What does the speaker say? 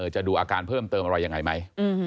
จะดูอาการเพิ่มเติมอะไรยังไงไหม